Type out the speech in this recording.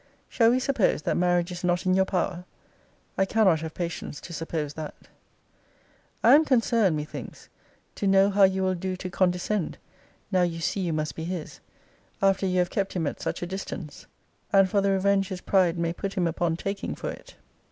Shall we suppose that marriage is not in your power? I cannot have patience to suppose that. I am concerned, methinks, to know how you will do to condescend, (now you see you must be his,) after you have kept him at such a distance; and for the revenge his pride may put him upon taking for it.